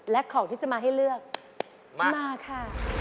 และของที่จะมาให้เลือกมาค่ะ